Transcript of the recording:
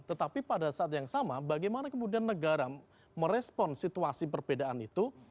tetapi pada saat yang sama bagaimana kemudian negara merespon situasi perbedaan itu